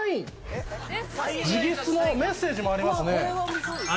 直筆のメッセージもありますね